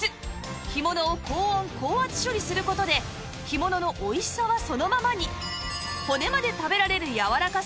干物を高温高圧処理する事で干物のおいしさはそのままに